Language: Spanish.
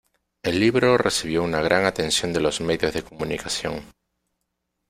El libro recibió una gran atención de los medios de comunicación.